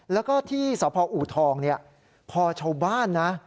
แล้วก็ที่สภอูทองพอชาวบ้านนะ